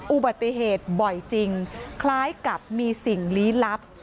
อุบัติเหตุบ่อยจริงคล้ายกับมีสิ่งลี้ลับ